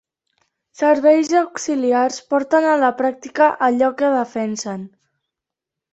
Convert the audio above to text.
Serveis Auxiliars porten a la pràctica allò que defensen.